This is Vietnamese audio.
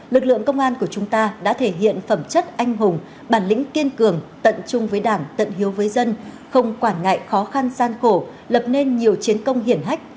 lực lượng công an của chúng ta đã thể hiện phẩm chất anh hùng bản lĩnh kiên cường tận trung với đảng tận hiếu với dân không quản ngại khó khăn gian khổ lập nên nhiều chiến công hiển hách